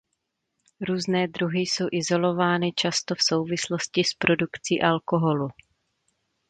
Různé druhy jsou izolovány často v souvislosti s produkcí alkoholu.